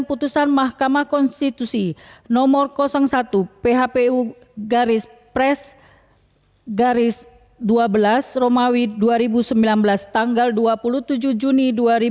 putusan mahkamah konstitusi nomor satu phpu garis pres garis dua belas romawi dua ribu sembilan belas tanggal dua puluh tujuh juni dua ribu dua puluh